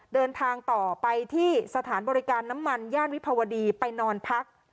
เดินทางต่อไปที่สถานบริการน้ำมันย่านวิภาวดีไปนอนพัก